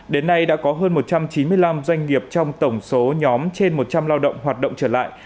đến nay đã có hơn một trăm chín mươi năm doanh nghiệp trong tổng số nhóm trên một trăm linh lao động hoạt động trở lại